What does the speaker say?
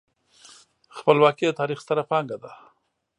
خپلواکي د تاریخ ستره پانګه ده.